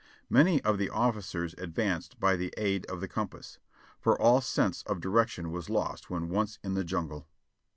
]\Iany of the officers advanced by the aid of the compass, for all sense of direction was lost when once in the jungle.